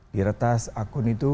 diretas akun itu